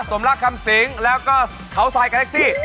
สมรักคำสิงศ์แล้วก็เขาไซด์กาเล็กซี่